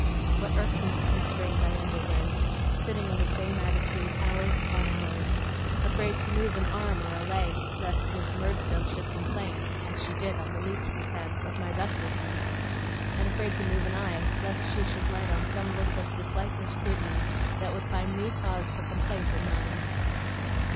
What irksome constraint I underwent, sitting in the same attitude hours upon hours, afraid to move an arm or a leg lest Miss Murdstone should complain (as she did on the least pretence) of my restlessness, and afraid to move an eye lest she should light on some look of dislike or scrutiny that would find new cause for complaint in mine!